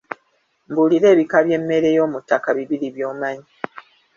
Mbuulira ebika by'emmere y'omuttaka bibiri byomanyi.